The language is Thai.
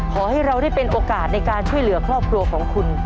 ขอให้เราได้เป็นโอกาสในการช่วยเหลือครอบครัวของคุณ